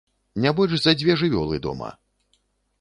Не больш за дзве жывёлы дома!